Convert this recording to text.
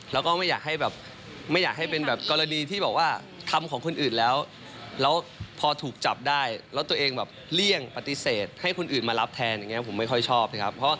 แล้วก็ไม่อยากให้เป็นกรณีที่บอกว่าทำของคนอื่นแล้วแล้วพอถูกจับได้แล้วตัวเองเลี่ยงปฏิเสธให้คนอื่นมารับแทนผมไม่ค่อยชอบนะครับ